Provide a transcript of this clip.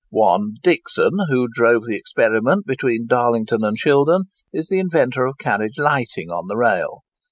One Dixon, who drove the 'Experiment' between Darlington and Shildon, is the inventor of carriage lighting on the rail.